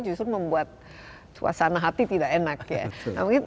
justru membuat suasana hati tidak enak ya